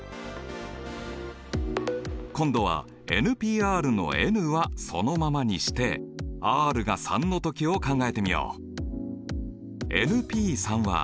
今度はＰのｎはそのままにしてｒが３の時を考えてみよう。